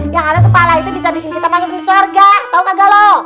yang ada kepala itu bisa bikin kita masuk ke sorga tau gak lo